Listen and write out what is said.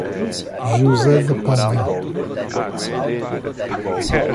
José da Penha